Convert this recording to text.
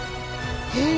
へえ！